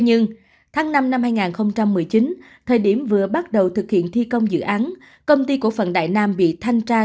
năm hai nghìn một mươi chín thời điểm vừa bắt đầu thực hiện thi công dự án công ty của phần đại nam bị thanh tra